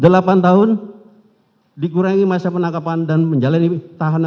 kedua menjatuhkan pidana terhadap terdakwa kuat makrup dengan pidana penjara selama delapan tahun